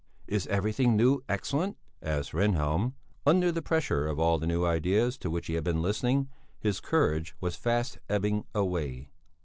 "Is everything new excellent?" asked Rehnhjelm. Under the pressure of all the new ideas to which he had been listening, his courage was fast ebbing away.